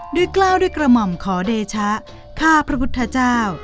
กล้าวด้วยกระหม่อมขอเดชะข้าพระพุทธเจ้า